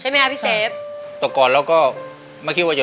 สามีก็ต้องพาเราไปขับรถเล่นดูแลเราเป็นอย่างดีตลอดสี่ปีที่ผ่านมา